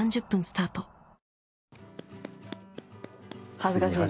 恥ずかしいです。